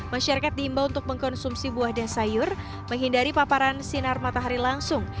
masyarakat diimbau untuk mengkonsumsi buah dan sayur menghindari paparan sinar matahari langsung